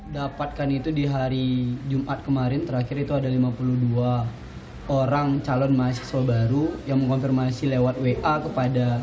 dapatkan itu di hari jumat kemarin terakhir itu ada lima puluh dua orang calon mahasiswa baru yang mengkonfirmasi lewat wa kepada